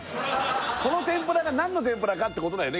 この天ぷらが何の天ぷらかってことだよね